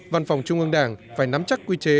văn phòng trung ương đảng phải nắm chắc quy chế